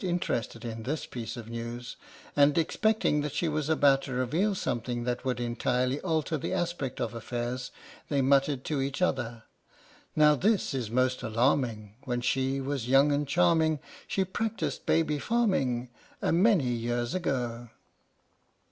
"PINAFORE" news, and, expecting that she was about to reveal something that would entirely alter the aspect of affairs, they muttered to each other: Now this 'is most alarming — When she was young and charming , She practised baby farming A many years ago!